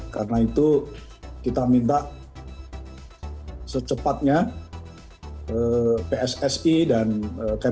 karena itu kita minta secepatnya pssi dan kmsi